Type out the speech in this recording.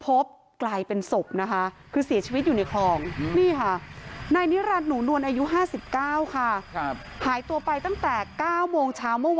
ป๊อปกลายเป็นศพคือศีลชีวิตอยู่ในคลอง